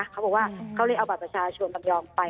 เขาบอกว่าเขาเลยเอาบัตรประชาชนลำยองไป